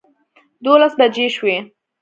دولس بجې شوې.